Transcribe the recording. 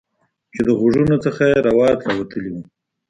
چې د غوږونو څخه یې روات راوتلي وو